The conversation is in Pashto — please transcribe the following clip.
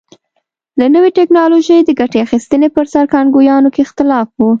له نوې ټکنالوژۍ د ګټې اخیستنې پر سر کانګویانو کې اختلاف و.